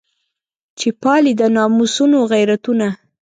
چې پالي د ناموسونو غیرتونه.